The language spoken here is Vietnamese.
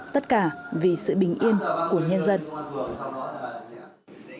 tất cả vì sự bình yên của nhân dân